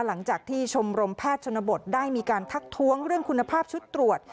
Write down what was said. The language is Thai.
หลังจากที่ชมรมแพทย์ชนบทได้มีการทักท้วงเรื่องคุณภาพชุดตรวจ